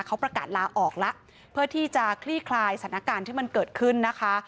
เขาประกาศลาออกแล้วเพื่อที่จะคลี่คลายสถานการณ์ที่มันเกิดขึ้นนะคะ